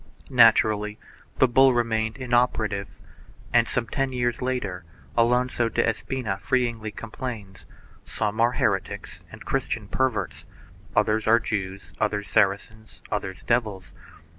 Naturally the bull remained inoperative, and, some ten years later, Alonso de Espina feelingly complains "Some are heretics and Christian perverts, others are Jews, others Saracens, others devils.